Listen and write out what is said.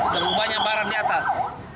terlalu banyak barang di atas